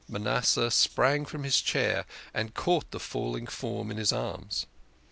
Manasseh sprang from his chair and caught the falling form in his arms.